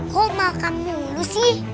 kok makan mulu sih